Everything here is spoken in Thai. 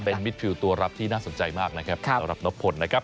เป็นมิดฟิลตัวรับที่น่าสนใจมากนะครับ